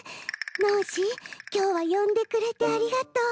ノージーきょうはよんでくれてありがとう。